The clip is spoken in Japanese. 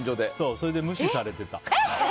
それで無視されてた。